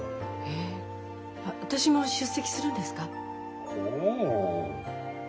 えっ私も出席するんですか？